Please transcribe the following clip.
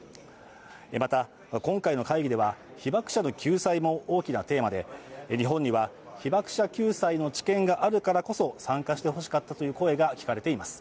また、今回の会議では被爆者の救済も大きなテーマで日本には被爆者救済の知見があるからこそ、参加してほしかったという声が聞かれています。